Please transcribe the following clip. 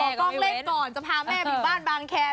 กล้องเล่นก่อนจะพาแม่ไปบ้านบางแคร์